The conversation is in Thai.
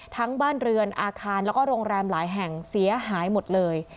บ้านเรือนอาคารแล้วก็โรงแรมหลายแห่งเสียหายหมดเลย